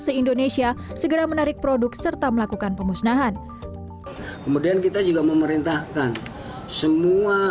se indonesia segera menarik produk serta melakukan pemusnahan kemudian kita juga memerintahkan semua